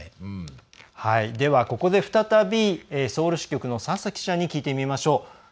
ここで再び、ソウル支局の佐々記者に聞いてみましょう。